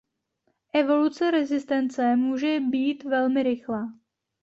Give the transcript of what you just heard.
Evoluce rezistence může být velmi rychlá.